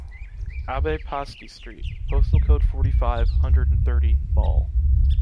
Abbé Pasty street, postal code forty five, hundred and thirty, Baule